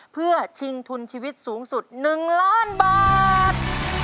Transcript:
เพื่อชิงทุนชีวิตสูงสุด๑ล้านบาท